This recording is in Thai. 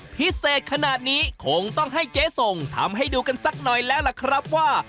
พิเศษขนาดนี้คงต้องให้เจ๊ส่งทำให้ดูกันสักหน่อยแล้วล่ะครับว่า